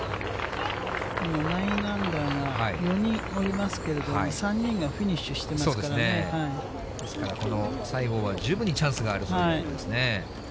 今、９アンダーが４人おりますけれども、３人がフィニッシュですから、この西郷は十分にチャンスがあるということですね。